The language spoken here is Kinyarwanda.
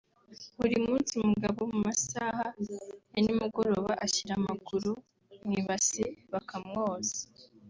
buri munsi umugabo mu masaha ya ni mugoroba ashyira amaguru mu ibasi bakamwoza